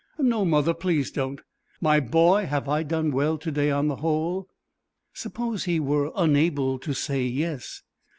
"No, mother, please don't." "My boy, have I done well to day on the whole?" Suppose he were unable to say yes.